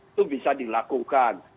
itu bisa dilakukan